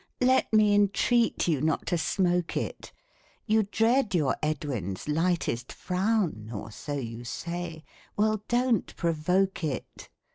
Let me entreat you not to smoke it ; You dread your Edwin's lightest frown, Or so you say well, don't provoke it.